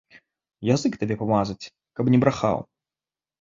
Язык табе памазаць, каб не брахаў.